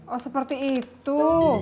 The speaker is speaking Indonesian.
oh seperti itu